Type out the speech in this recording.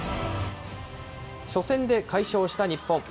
初戦で快勝した日本。